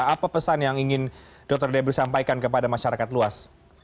apa pesan yang ingin dr debri sampaikan kepada masyarakat luas